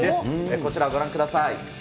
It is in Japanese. こちら、ご覧ください。